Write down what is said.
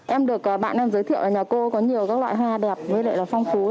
em được bạn em giới thiệu là nhà cô có nhiều các loại hoa đẹp với lại là phong phú